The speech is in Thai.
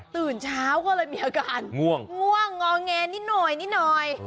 ตื่นเช้าก็เลยมีอาการง่วงง่วงงอแงนิดหน่อยนิดหน่อย